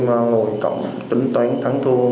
em ngồi cọng tính toán thắng thua